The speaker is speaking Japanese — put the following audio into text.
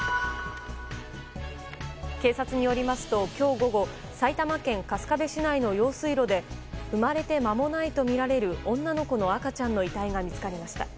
警察によりますと今日午後埼玉県春日部市内の用水路で生まれて間もないとみられる女の子の赤ちゃんの遺体が見つかりました。